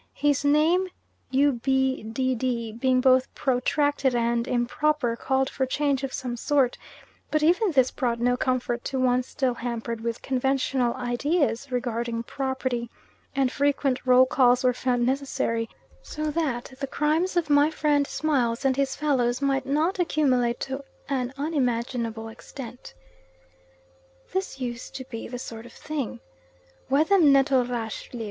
His name You be d d being both protracted and improper, called for change of some sort, but even this brought no comfort to one still hampered with conventional ideas regarding property, and frequent roll calls were found necessary, so that the crimes of my friend Smiles and his fellows might not accumulate to an unmanageable extent. This used to be the sort of thing "Where them Nettlerash lib?"